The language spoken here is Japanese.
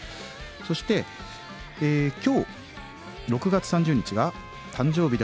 そして今日６月３０日が誕生日だというヒロさん。